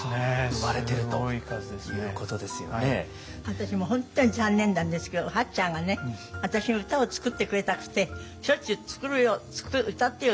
私も本当に残念なんですけど八ちゃんが私に歌を作ってくれたくてしょっちゅう「作るよ歌ってよ。